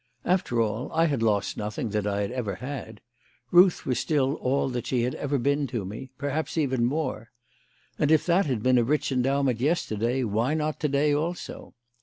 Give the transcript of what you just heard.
After all, I had lost nothing that I had ever had. Ruth was still all that she had ever been to me perhaps even more; and if that had been a rich endowment yesterday, why not to day also?